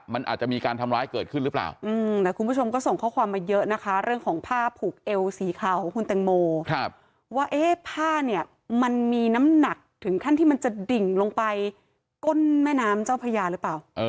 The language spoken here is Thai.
มีขั้นที่มันจะดิ่งลงไปก้นแม่น้ำเจ้าพระยาหรือเปล่า